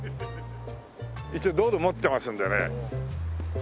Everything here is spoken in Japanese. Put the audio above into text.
一応ドル持ってますんでね。